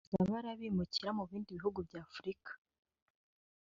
harimo no kohereza bariya bimukira mu bindi bihugu bya Africa